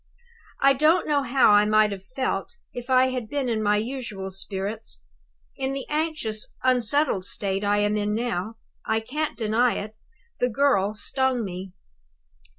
I don't know how I might have felt if I had been in my usual spirits. In the anxious, unsettled state I am in now, I can't deny it, the girl stung me.